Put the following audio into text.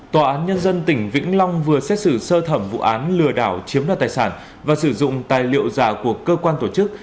tòa án nhân dân tỉnh vĩnh long vừa xét xử sơ thẩm vụ án lừa đảo chiếm đoạt tài sản và sử dụng tài liệu giả của cơ quan tổ chức